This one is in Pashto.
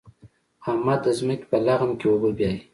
احمد د ځمکې په لغم کې اوبه بيايي.